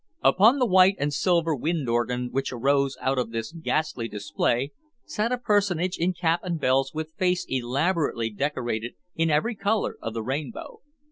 Upon the white and silver wind organ which arose out of this ghastly display sat a personage in cap and bells with face elaborately decorated in every color of the rainbow.